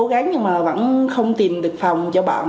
em đã cố gắng nhưng mà vẫn không tìm được phòng cho bạn